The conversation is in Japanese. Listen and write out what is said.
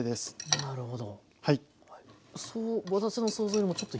なるほど！